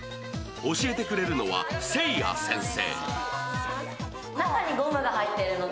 教えてくれるのはＳｅｉａ先生。